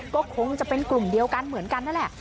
ก็คงจะเป็นกลุ่มเดียวกันเหมือนกันนั่นแหละ